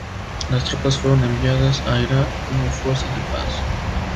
Las tropas fueron enviadas a Irak como fuerza de paz.